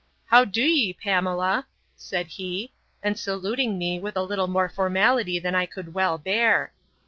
How dy'e Pamela? said he; and saluting me, with a little more formality than I could well bear.